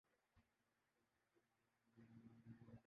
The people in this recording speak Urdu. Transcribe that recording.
خدا کا حکم مان لینا فرض ہے